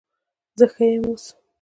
زه ښه یم اوس